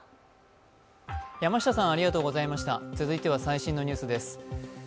続いては最新のニュースです。